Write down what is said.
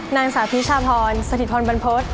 นางสาวพิชาพรสถิตพรบรรพฤษ